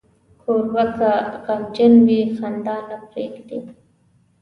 کوربه که غمجن وي، خندا نه پرېږدي.